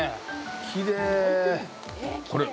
きれい。